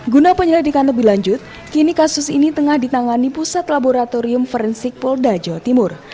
guna penyelidikan lebih lanjut kini kasus ini tengah ditangani pusat laboratorium forensik polda jawa timur